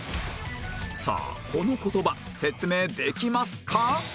さあこの言葉説明できますか？